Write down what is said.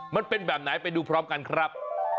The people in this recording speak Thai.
มันเป็นแบบไหนไปดูพร้อมกันครับ